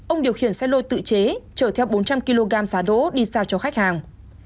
ông điều khiển xe lô tự chế chở theo bốn trăm linh kg xá đỗ đi giao cho khách hàng